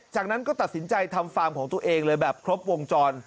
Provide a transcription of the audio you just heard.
จากนั้นก็ตัดสินใจทำฟาร์มของตัวเองเลยแบบครบวงจร